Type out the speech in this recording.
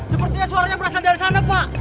sepertinya suaranya berasal dari sana pak